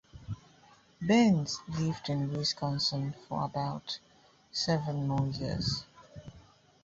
Barnes lived in Wisconsin for about seven more years.